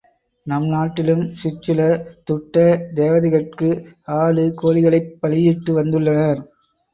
நம் நாட்டிலும் சிற்சில துட்ட தேவதைகட்கு ஆடு கோழிகளைப் பலியிட்டு வந்துள்ளனர்.